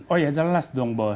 oh ya jelas dong bos